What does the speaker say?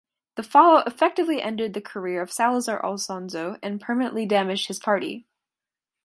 The fallout effectively ended the career of Salazar Alonso and permanently damaged his Party.